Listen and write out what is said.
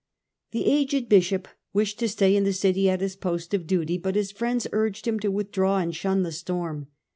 ^ The aged bishop wished to stay in the city at his post of duty, but his friends urged him to withdraw and shun the storm.